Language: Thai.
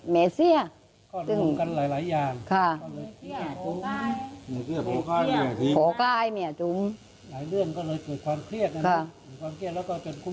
แม่เสียอยู่ก็หุ่นกับหลายอย่างเครียดห่วงใกล้แม่ติด่วน